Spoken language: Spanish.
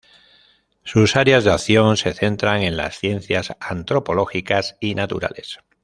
Sus áreas de acción se centran en las ciencias antropológicas y naturales.